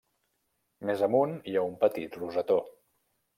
Més amunt hi ha un petit rosetó.